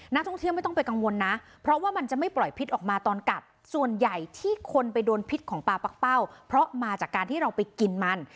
นักท่องเที่ยวไม่ต้องไปกังวลนะเพราะว่ามันจะไม่ปล่อยพิษออกมาตอนกัดส่วนใหญ่ที่คนไปโดนพิษของปลาปักเป้าเพราะมาจากการที่เราไปกินมัน